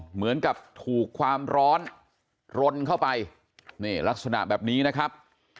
เหมือนกับถูกความร้อนรนเข้าไปนี่ลักษณะแบบนี้นะครับ